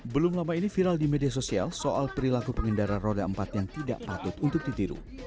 belum lama ini viral di media sosial soal perilaku pengendara roda empat yang tidak patut untuk ditiru